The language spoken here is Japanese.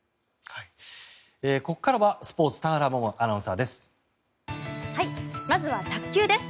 ここからはスポーツ田原萌々アナウンサーです。